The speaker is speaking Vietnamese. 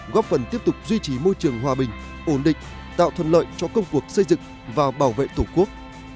góp phần tiếp tục duy trì môi trường hòa bình ổn định tạo thuận lợi cho công cuộc xây dựng và bảo vệ tổ quốc